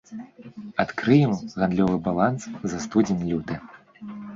Адкрыем гандлёвы баланс за студзень-люты.